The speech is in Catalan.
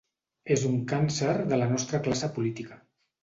És un càncer de la nostra classe política.